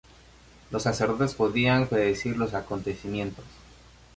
Los sacerdotes podían predecir los acontecimientos.